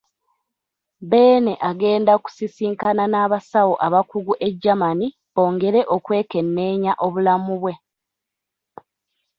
Beene agenda kusisinkana n'abasawo abakugu e Germany bongere okwekenneenya obulamu bwe.